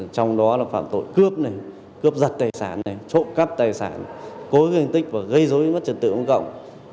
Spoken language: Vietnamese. trong đó là phạm tội cướp cướp giật tài sản trộm cắp tài sản cố gây hình tích và gây dối mất trật tự công cộng